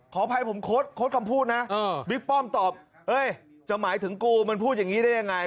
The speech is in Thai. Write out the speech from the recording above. ขออภัยผมโค้ดคำพูดนะบิ๊กป้อมตอบจะหมายถึงกูมันพูดอย่างนี้ได้ยังไง